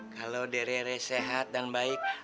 kalau dere sehat dan baik